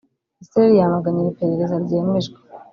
Israel yamaganye iri perereza ryemejwe